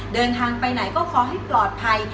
เดินทางไปไหนก็ขอให้ปลอดภัย